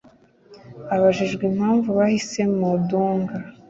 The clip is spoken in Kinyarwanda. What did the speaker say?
Abajijwe impamvu bahisemo Dunga